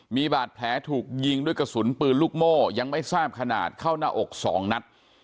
มีบาดแผลถูกยิงด้วยกระสุนปืนลูกโม่ยังไม่ทราบขนาดเข้าหน้าอก๒นัด